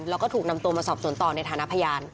แล้วก็ถูกนำตัวมาสอบสวนต่อในฐานะพยาน